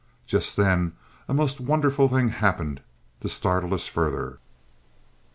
Just then a most wonderful thing happened to startle us further!